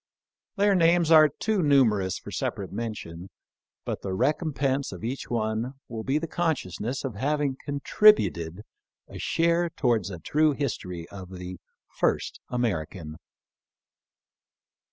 Their names are too numerous for separate mention, but the recompense of each one will be the consciousness of having contributed a share towards a true history of the " first Ameri can."